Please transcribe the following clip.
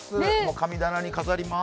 神棚に飾りまーす。